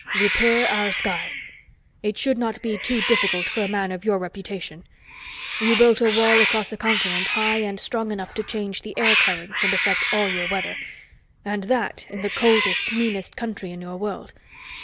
"Repair our sky. It should not be too difficult for a man of your reputation. You built a wall across a continent high and strong enough to change the air currents and affect all your weather and that in the coldest, meanest country in your world.